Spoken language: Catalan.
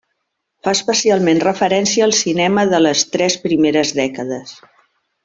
Fa especialment referència al cinema de les tres primeres dècades.